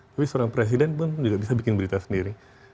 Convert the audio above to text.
tapi seorang presiden pun juga bisa bikin berita sendiri